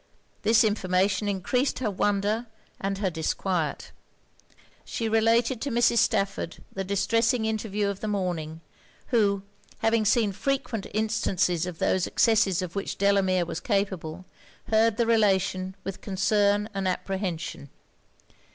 This information encreased her wonder and her disquiet. She related to Mrs. Stafford the distressing interview of the morning; who, having seen frequent instances of those excesses of which Delamere was capable, heard the relation with concern and apprehension.